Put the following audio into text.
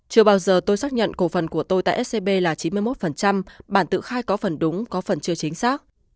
chưa bao giờ tôi xác nhận cổ phần của tôi tại scb là chín mươi một bản tự khai có phần đúng có phần chưa chính xác